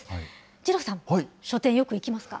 二郎さん、書店、よく行きますか？